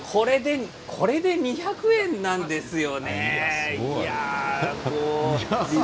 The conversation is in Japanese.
これで２００円なんですよね。